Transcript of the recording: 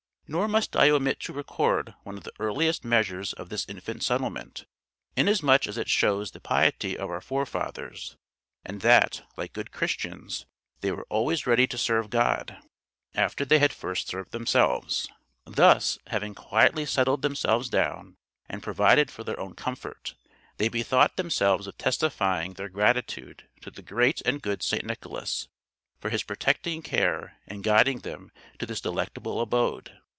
Nor must I omit to record one of the earliest measures of this infant settlement, inasmuch as it shows the piety of our forefathers, and that, like good Christians, they were always ready to serve God, after they had first served themselves. Thus, having quietly settled themselves down, and provided for their own comfort, they bethought themselves of testifying their gratitude to the great and good St. Nicholas, for his protecting care in guiding them to this delectable abode.